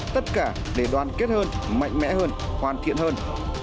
tất cả để đoàn kết hơn mạnh mẽ hơn hoàn thiện hơn